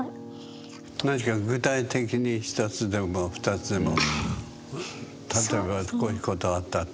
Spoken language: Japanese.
何か具体的に１つでも２つでも例えばこういうことあったって。